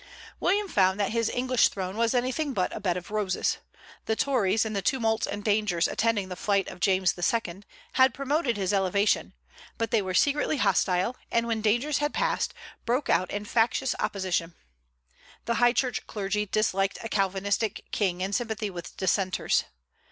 William found that his English throne was anything but a bed of roses. The Tories, in the tumults and dangers attending the flight of James II., had promoted his elevation; but they were secretly hostile, and when dangers had passed, broke out in factious opposition. The high church clergy disliked a Calvinistic king in sympathy with Dissenters.